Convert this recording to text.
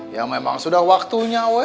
ya memang sudah waktunya weh